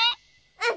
うん！